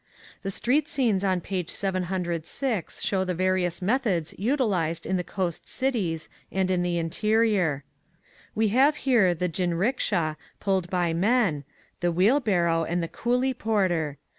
The street scenes on page 706 show the various methods utilized in the coast cities and the interior. We have here the jinricksha pulled by men, the wheelbarrow, and the coolie porter.